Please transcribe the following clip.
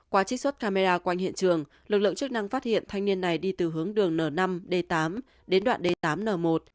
qua trích xuất camera quanh hiện trường lực lượng chức năng phát hiện thanh niên này đi từ hướng đường n năm d tám đến đoạn d tám n một